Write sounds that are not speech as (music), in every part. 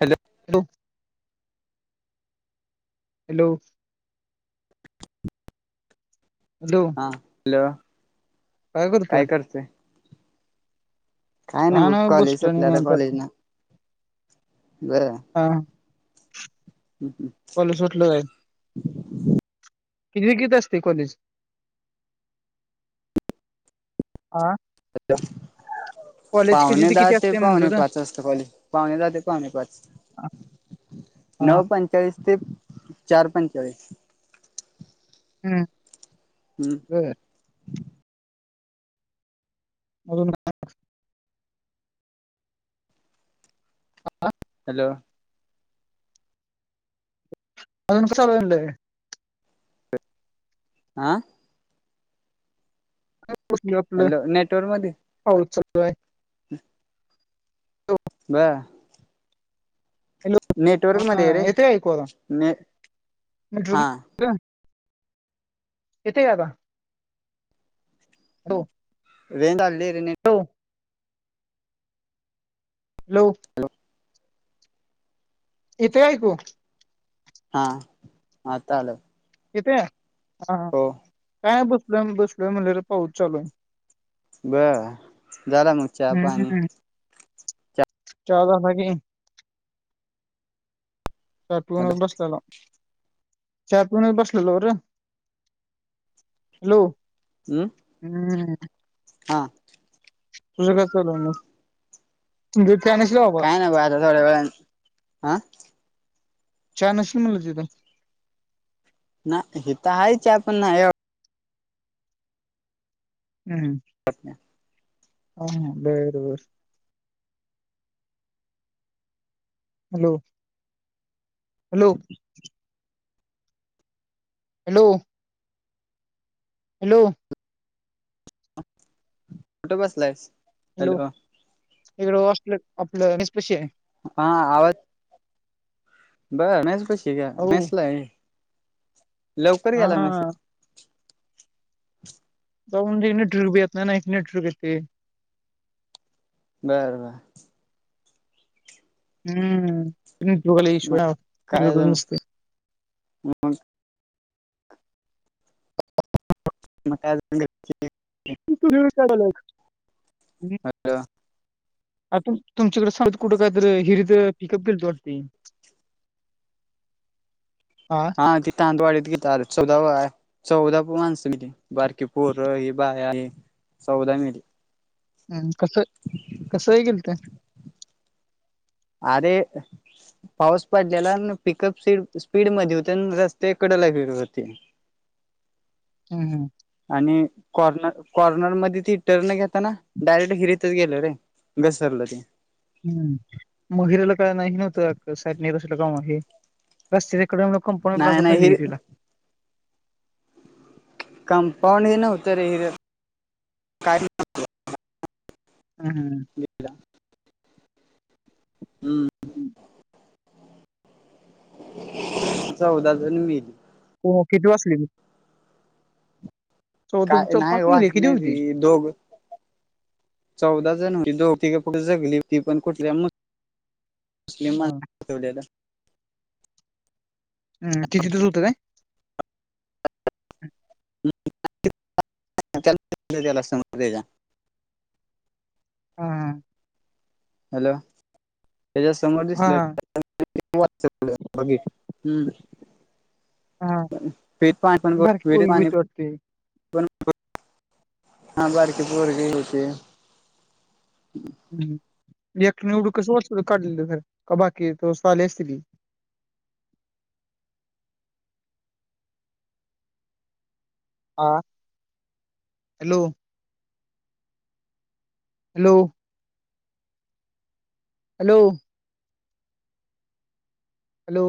Hello. Hello. Hello. हा hello काय करतेंय. काय ना ब नाय कॉलेज बसलोय सुटल्याता निवांत कॉलेज ना. बरं. आता हम् कॉलेज सुटलं हम्. कि विकत असते कॉलेज हा. (inaudible) कॉलेज किती पाहुणे ते किती जाते असते पाहुणे म्हणलं र पाच वाजता कॉली पाहुणे जाताते पाहुणे पाच वाजता. हा नऊ पंचाळीस ते चार पंचाळीस. हम्म. बर (inaudible) अजून. हा. हॅलो. अनक स्लवलेे. आ. आपलं हॅलो नेटवर्क मध्ये आवय. (inaudible) ब. हलो हा मध्ये रे येथऐकूता. ने हा इथे काता हो. वेंदालेर. लोक. इथे ऐकू. हा म चाल. किथे हा काय बसलं बसल म्हणलेर पाहत चालू आहे. ब झाला मुगच्या पाणी. हम्म चहा झाला की. स टू हॅलो बस लला चहा पिऊनच बसलेलो रे हॅलो हम्म हम (inaudible) हा तुझं कसं चालू आहे मग तुमचं काय नशील बाबा काय नाय बघ आता थोड्या वेळानं हा चहान शी (inaudible) म्हणत होत्यात नाय ते काय चहा पिऊन नाय एवढा हम हा बर बर हॅलो हॅलो हॅलो हॅलो कुठं बसलायस हॅलो इकड हॉस्टेल आपल मेसपशी आहे. हा आवाज बर मेसपशी का हो मेसला हाय. लवकर गेला हा मेसला रूम मधी नेटवर्क बी येत नाय ना इथ नेटवर्क येतंय बर बर हम नेटवर्क ला इश्यू मग आहे गावात नेटवर्कच नसतंय. हम (inaudible) म काय (inaudible) तु तुझं (unintelligible) आता तुमच्याकड सात कुठं काय तर हिरित पिकअप केलंत वाटत की? हा ते तांदुळवाडीत तीथ गेलत (inaudible) हाय चौदा ब माणसं मिली बारकी पोर ही बाया ही चौदा मेली. हम्म. कस कस हे गेलत्या? आरे. पाऊस पडलेला न पिकअप स्पीड स्पीड मध्ये होती अ रस्त्याच्या कडेला विहीर होती. (inaudible) हम हम आणि कॉर्नर कॉर्नर मध्ये ती टर्न घेताना डायरेक्ट हिरीतच गेल रे घसरल ते हम हिरोला काय माहीत नव्हतं वाटत साईड न रस्त्याचं काम हे रस्ते इकडून लोक पळत नाही घरात नाही आली हिर की तिला (inaudible) कमपाऊंड हे नव्हतं रे (inaudible) काय हम हम हम चौदा जण मेलीत. हो किती वाचलीत चौदाच्या काय चौदा नाही पाक मेली का वाचली किती जण नाही होती. ती दोघ चौदा जण होतीत दोघं तिघ कुठं जगली होतीत ती पण कुठल्या मधल्या हा. (inaudible) ठेवलेलं ह ते तिथंच होत काय? (inaudible) (inaudible) समज हा. हॅलो. त्याच्या समोर दिसलं हा त्यानं लगेच वाचवलं. (inaudible) हम्म. हा हा. ते पाणी बारकी विहिरीत पोरगी आणि (inaudible) भीती वाटते हा बारकी पोरं बी होती. हम्म. एकट्याने एवढं कस वाचवलं काढलेलं बाहेर का बाकी तोवर तर आली असतील की? (inaudible) हा hello. Hello. Hello. Hello.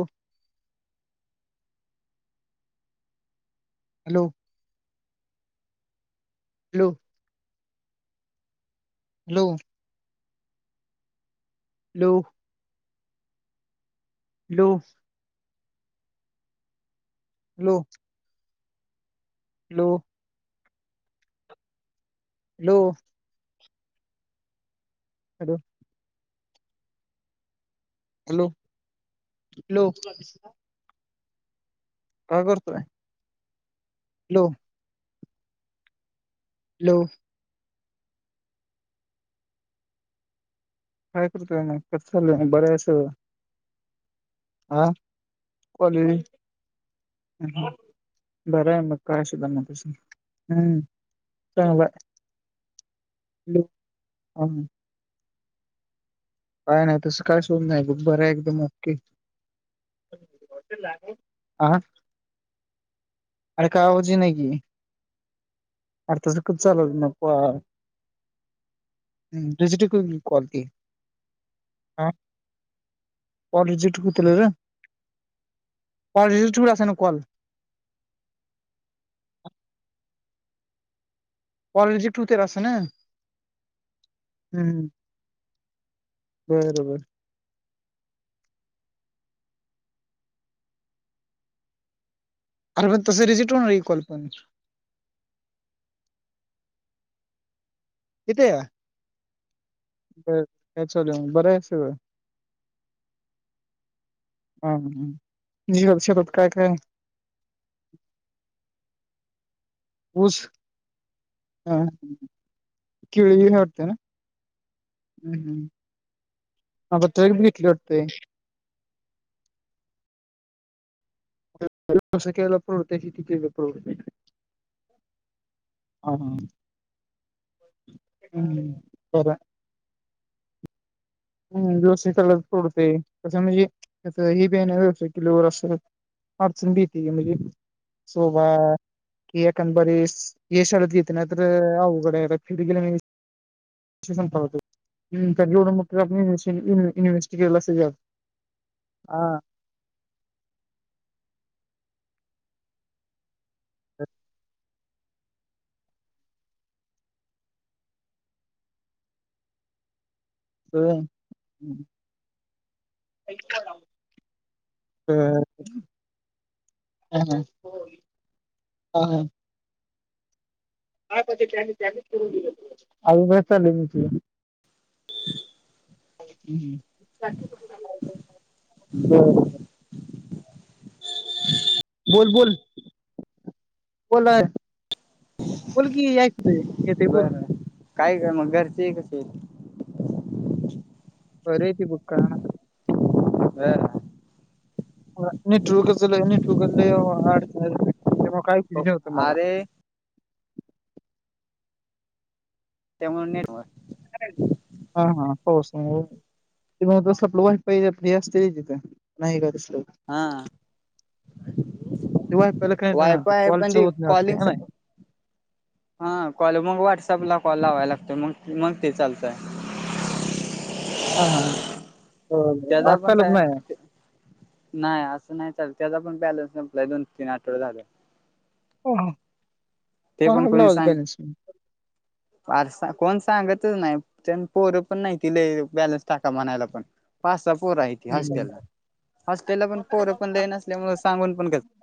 Hello. Hello. Hello. लो लो hello. Hello. Hello. Hello. Hello hello. काय करतोय? हॅलो. हॅलो. काय करताय मग कसं चाललंय बरं आहे मग सगळं. हं कॉल वी. बरं आहे मग काय शधा मग तस हम्म. चांगलं ह काय नाही तसं काय शोध नाहीय बरं आहे एकदम अक्की आं. अर कावाचीी नकीि. अर तचं कध चालत नक. हम् तझ टक कलते ह. कॉल रिजेक्ट हुतलं कॉल रिजेक्ट होईल अस ना कॉल. कॉल रिजेक्ट होतील असान हम्म. बर बर. अरे पण तस रिजेक्ट होणार आहे कॉल पण किती? बर काय चालू आहे मग बर आहे सगळं. हा म जव शेतात काय काय? (inaudible) ऊस ह किळी वारते ना? हम्म हम्म. आवतर घेतली वाटत? परत केल तर तस हुतंय की (unintelligible) हा. हम्म बरा. हम व्यवसाय कला पोडते तसं म्हणजे ही बिन व्यवसाय केल्यावर असत. ह चुंडीी त म्हे सो बा. की एख बरे येशळत घेते ना तर अघड फि गेले मी. कड. तर आप युनिव्हर्सट केला जाल हा. ह (inaudible) ह (inaudible) हो तर ह ह हा ह. टॅली टॅली करून आघड चालय मन तिला. (inaudible) हम बरं बरं. बोल बोल कोणहाय. बोल की ऐकतोय येतय बर बोल. काय ग मग घरचे कसेत. पररयची बु का. (unintelligible) ह.... नीटूचल नीतूकचा लई अडथळा हेबक आईक. फिरी होतं मला. अरे त्यामुळे नेटव. हा हा हो सर हो. ते तस आपलं वाई पाहि असते तिथे नाही का. (unintelligible) हआ. ते वायफायला काय नाही वायफाय पण कॉलच ती होत नाही वाटतं कॉलिंच. हाय नाही. हा कॉल मग व्हॉट्स कॉल लावायला लागतोय मग मग ते चालतंय. हा हा हो आता आलूस माय. नाय असं नाय चालतं त्याचा पण बॅलेन्स संपलाय दोन तीन आठवडे झालं. ह अहो लावा बॅलेन्स संपल. फारसा कोण सांगतच नाय तुम पोरं पण नाय ते ल बॅलेन्स टाका म्हणायला पण. पासब. पोर हाय ती होस्टेला होस्टेला पोरं पण लई नसल्या मूळ सांगून पण घेत ना (inaudible)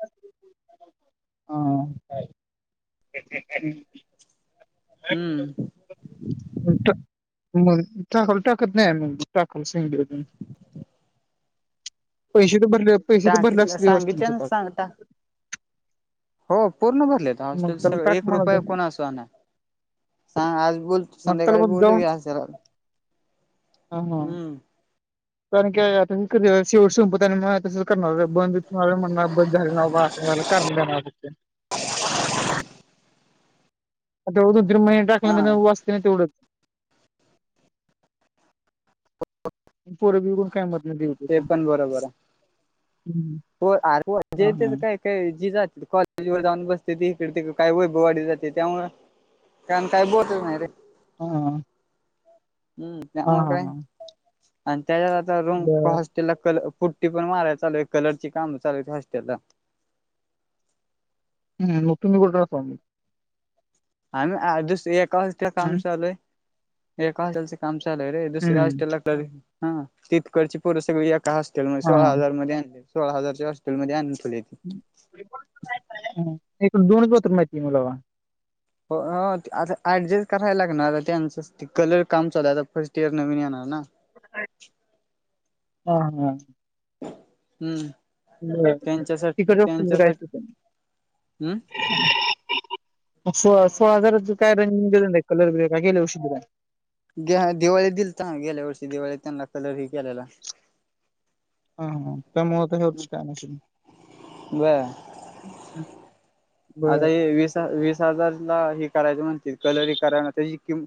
हा काय हम मग टाकूला टाकत नाही. आम्ही मग टाकायला सांगितल आम्ही पैसे तर भरले पैसे तर भरले टाकीतलं असतील व्यवस्थि च सांगितल्यान कॉल. सांगता हो पूर्ण भरले मग होस्टेल त्याला सगळे टाक एक रुपय म्हणायचं कोणा चा नाय सांग आज भी. बोलकी मग संध्याकाळी बोलू जरा. हाह. कारण की सी ओ संपत आलय तसंच करणार बंदच होणार बस झालं बा. त्याला करण देणार होतीत. (unintelligible) हॉटेलवर दोन तीन महिने टाकलं हा तर वाचतय नव तेवढंच. पोरगी बघून काय मदन देवच ते येतोय. पण बरोबर आहे हो अरे जेतच काय काय जी जात कॉलेज वर जाऊन बसतं. दी इकडे तिकड काय वैभवाडी जातंय त्या मुळ कारण काय बोलंच नाय रे. हा हा. हम त्यामुळ हा काय हा आणि त्याच्यात आता रूम बर होस्टेलला कल फुटी पण मारायच चालू कलरच काम चालू हाईत होस्टेलला हम मग तुम्ही कुठं राहताव. आम्ही आ दुसरी अकाउंटला ते काम हम्म चालूय एका हॉल कामचाल चालू आहे. रे दुसऱ्या हम्म होस्टेला पर हा तिकडची सगळी पोरं हॉस्टेल मध्ये हा सोळा हजार मध्ये आणत्यात सोळा हजारचे हॉस्टेलमध्ये आणका एकूण दोनच बाथरूम आहेत. की मला हो अ ते आता ऍडजेस्ट करायला लागणार. त्यांच कलर काम चालू आता फर्स्ट इयर नवीन येणार ना हा ह हम बरं तिथे गपचिप राहायचं. हम् असगर ज काय (unintelligible) े कलर बेगे हषीिर (unintelligible) ग दिवाळीत दिल तर गेल्या वर्षी दिवाळीत त्यांना कलर ह केलेला हा ह त्यामुळेळ तर हेच काय नाही बर आता हे वीसा व हजार हे करायच म्हण कलरी कराय त्या कि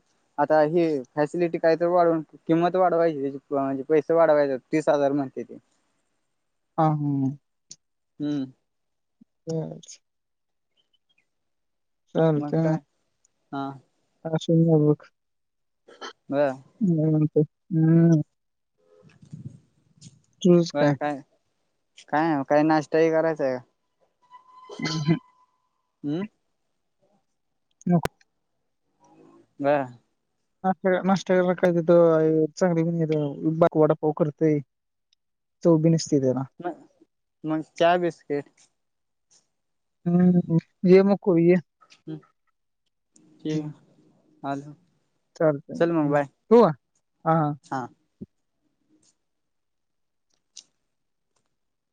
आता हे फॅसिलिटी काय तर वा पण किंमत वाढवायची त्या म्हणजे पैसे वाढवायचे तीस हजार म्हणते ते हा हम हम्म हम् मग चालतंय काय हा अस बक बर ह ते हम्म (inaudible) तूच काय काय काही नाश्ताही करायचा आहे का हम ह हम्म हो व (unintelligible) ना नाश् करायला काय तिथं चांगली बाद वडापाव करतेय चव बी नस म मग चहा बिस्किट हम्म य मुकवय हम्म आल. चालतंय ठेवू का हा.